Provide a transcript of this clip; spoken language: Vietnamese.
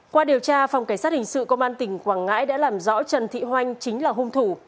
qua điều tra phòng cảnh sát hình sự công an tỉnh quảng ngãi đã làm rõ trần thị hoành chính là hung thủ